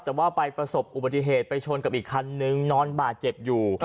แต่ว่าไปประสบอุบัติเหตุไปชนกับอีกคันนึงนอนบาดเจ็บอยู่